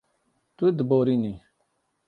Tu diborînî.